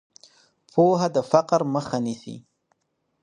پوهه د فقر مخه نیسي.